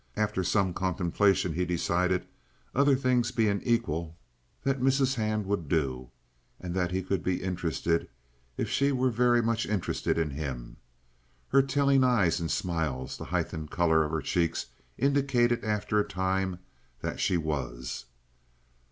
After some contemplation he decided, other things being equal, that Mrs. Hand would do, and that he could be interested if she were very much interested in him. Her telling eyes and smiles, the heightened color of her cheeks indicated after a time that she was.